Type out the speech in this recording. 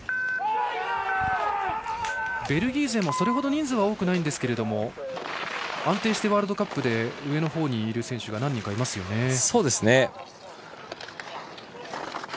ベルギー勢も、それほど人数は多くないんですけれども安定してワールドカップで上のほうにいる選手がいますね。